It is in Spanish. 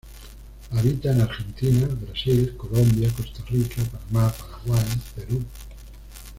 Habita en Argentina, Brasil, Colombia, Costa Rica, Panamá, Paraguay, Perú.